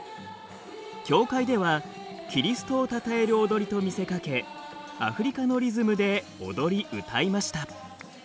教会ではキリストをたたえる踊りと見せかけアフリカのリズムで踊り歌いました。